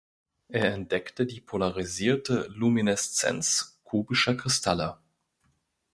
Er entdeckte die polarisierte Lumineszenz kubischer Kristalle.